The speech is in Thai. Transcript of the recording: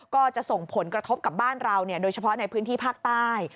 ก็จะส่งผลกระทบกับบ้านเราโดยเฉพาะในพื้นที่ภาคใต้